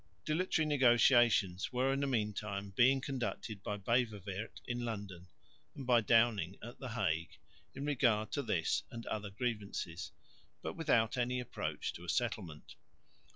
Dilatory negotiations were in the meantime being conducted by Beverweert in London, and by Downing at the Hague in regard to this and other grievances, but without any approach to a settlement.